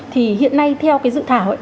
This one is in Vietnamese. thì hiện nay theo cái dự thảo